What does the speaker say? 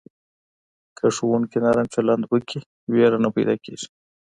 که ښوونکی نرم چلند وکړي، ویره نه پیدا کېږي.